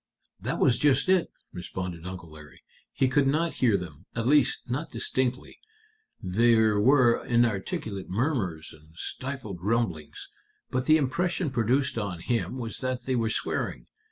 "That was just it," responded Uncle Larry; "he could not hear them at least, not distinctly. There were inarticulate murmurs and stifled rumblings. But the impression produced on him was that they were swearing.